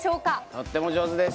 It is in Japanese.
とっても上手です。